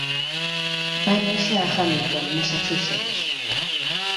Va néixer a Hamilton, Massachusetts.